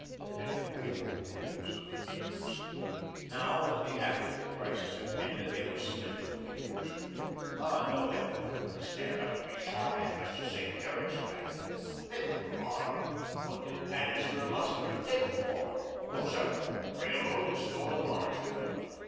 They had wavered, these other Leaguers. Now, when the actual crisis impended, they were smitten with confusion. Ah, no, they were not going to stand up and be shot at just to save Derrick's land. They were not armed. What did Annixter and Osterman take them for? No, sir; the Railroad had stolen a march on them.